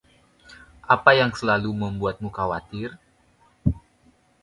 Apa yang selalu membuatmu khawatir?